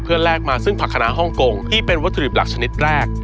แลกมาซึ่งผักคณะฮ่องกงที่เป็นวัตถุดิบหลักชนิดแรก